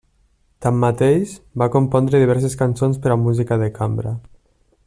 Tanmateix, va compondre diverses cançons per a música de cambra.